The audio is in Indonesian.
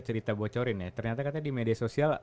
cerita bocorin ya ternyata katanya di media sosial